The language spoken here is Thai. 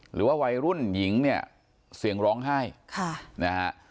หรือว่าวัยรุ่นหญิงเนี่ยเสียงร้องไห้ค่ะนะฮะ